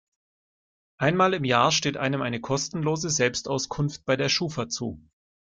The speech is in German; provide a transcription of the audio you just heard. Einmal im Jahr steht einem eine kostenlose Selbstauskunft bei der Schufa zu.